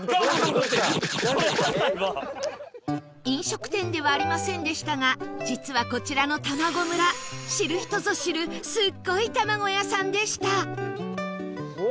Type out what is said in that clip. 飲食店ではありませんでしたが実はこちらのたまご村知る人ぞ知るすごいたまご屋さんでした